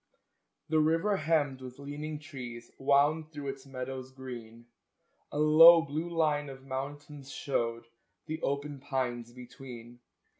The river hemmed with leaning trees Wound through its meadows green; A low, blue line of mountains showed The open pines between.